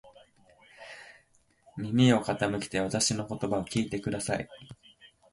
耳を傾けてわたしの言葉を聞いてください。